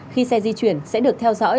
khi xe di chuyển sẽ được theo dõi